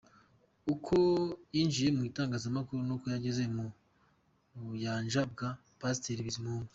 Uko yinjiye mu itangazamakuru n’uko yageze mu Buyanja bwa Pasteur Bizimungu.